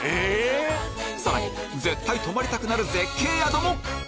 さらに絶対泊まりたくなる絶景宿も！